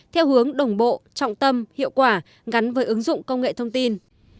theo hướng đồng bộ trọng tâm hiệu quả gắn với ứng dụng công nghệ thông tin